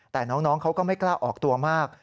แต่น้องเขาก็ไม่กล้าออกตัวมาก